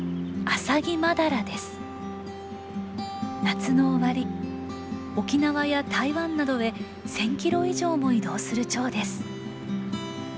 夏の終わり沖縄や台湾などへ１，０００キロ以上も移動するチョウです。